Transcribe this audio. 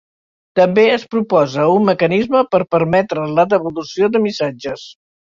També es proposa un mecanisme per permetre la devolució de missatges.